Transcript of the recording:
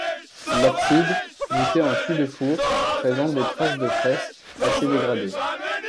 L'abside, voûtée en cul de four, présente des traces de fresques, assez dégradées.